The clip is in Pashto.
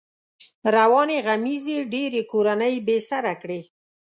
روانې غمېزې ډېری کورنۍ بې سره کړې.